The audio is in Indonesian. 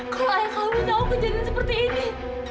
kalau ayah kamu tahu kejadian seperti ini